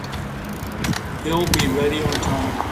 He'll be ready on time.